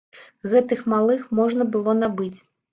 Гэтых малых можна было набыць.